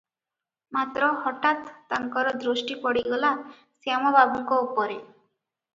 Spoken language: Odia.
ମାତ୍ର ହଠାତ୍ ତାଙ୍କର ଦୃଷ୍ଟି ପଡ଼ିଗଲା ଶ୍ୟାମବାବୁଙ୍କ ଉପରେ ।